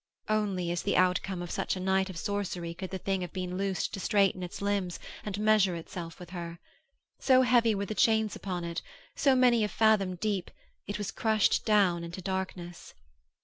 Only as the outcome of such a night of sorcery could the thing have been loosed to straighten its limbs and measure itself with her; so heavy were the chains upon it, so many a fathom deep, it was crushed down into darkness.